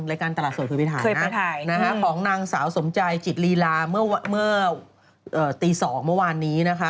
รายการตลาดสวยคุณพิธาเคยไปถ่ายของนางสาวสมใจจิตลีลาเมื่อตี๒เมื่อวานนี้นะคะ